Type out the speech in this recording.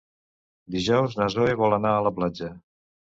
Dijous na Zoè vol anar a la platja.